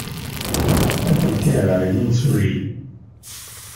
Atenti ɣer yimsujji.